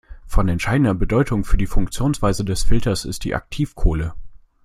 Von entscheidender Bedeutung für die Funktionsweise des Filters ist die Aktivkohle.